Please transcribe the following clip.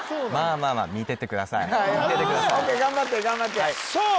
見ててくださいＯＫ頑張って頑張ってさあ